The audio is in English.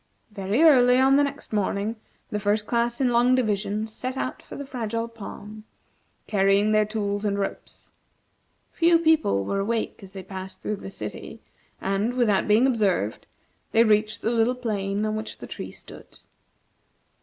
Very early on the next morning, the First Class in Long Division set out for the Fragile Palm, carrying their tools and ropes. Few people were awake as they passed through the city, and, without being observed, they reached the little plain on which the tree stood.